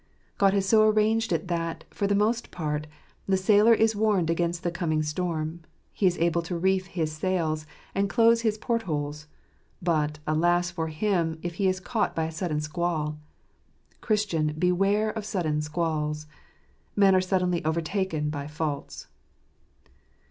God has so arranged it that, for the most part, f the sailor is warned against the coming storm; he is j able to reef his sails, and close his port holes: but, alas for him if he is caught by a sudden squall ! Christian, j beware of sudden squalls! Men are suddenly overtaken ) by faults.